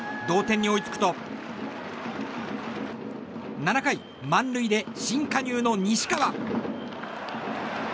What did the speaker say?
同点に追いつくと７回、満塁で新加入の西川。